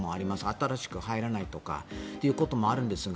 新しく入らないということもあるんですが。